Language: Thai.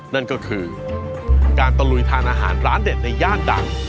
นั่นก็คือการตะลุยทานอาหารร้านเด็ดในย่านดัง